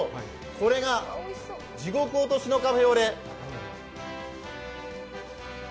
これが、地獄落としのカフェオレ。